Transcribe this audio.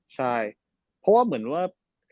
ใช่เพราะว่าเหมือนว่า